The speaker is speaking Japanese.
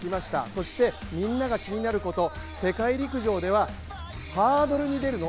そしてみんなが気になること世界陸上ではハードルに出るの？